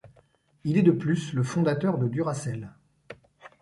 Il est de plus le fondateur de Duracell.